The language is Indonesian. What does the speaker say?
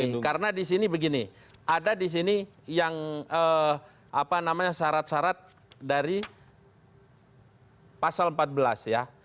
melindungi karena disini begini ada disini yang apa namanya syarat syarat dari pasal empat belas ya